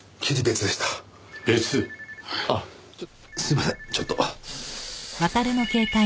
別？あっすみませんちょっと。